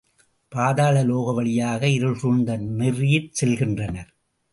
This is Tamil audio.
பாதாளலோக வழியாக இருள் சூழ்ந்த நெறியிற் செல்கின்றனர்.